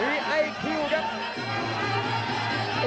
มีไอคิวครับ